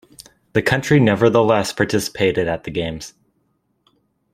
The country nevertheless participated at the Games.